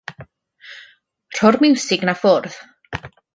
Rho'r miwsig 'na ffwrdd.